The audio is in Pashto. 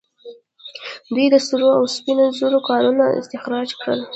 دوی د سرو او سپینو زرو کانونه استخراج کړل